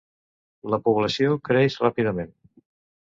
La població creix ràpidament.